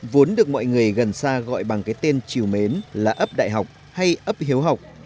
vốn được mọi người gần xa gọi bằng cái tên triều mến là ấp đại học hay ấp hiếu học